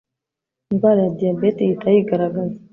indwara ya diyabete ihita yigaragaza